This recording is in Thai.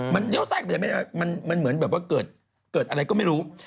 มันเด้าใสดีอ่ะเหมือนเกิดอะไรก็ไม่รู้